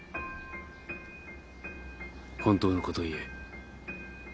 本当のこと言え。